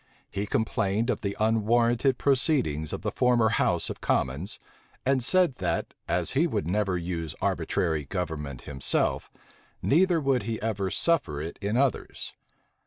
He complained of the unwarrantable proceedings of the former house of commons; and said, that, as he would never use arbitrary government himself, neither would he ever suffer it in others.